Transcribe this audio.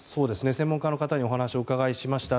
専門家の方にお話を伺いました。